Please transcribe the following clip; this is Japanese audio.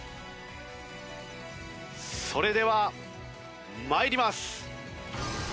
それでは参ります。